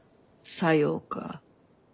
さようか。